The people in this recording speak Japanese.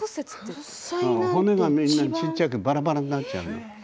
骨がみんな小っちゃくばらばらになっちゃうの。